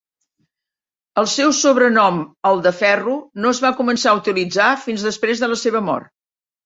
El seu sobrenom "el de Ferro" no es va començar a utilitzar fins després de la seva mort.